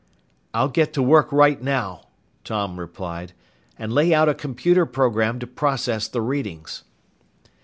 "I'll get to work right now," Tom replied, "and lay out a computer program to process the readings."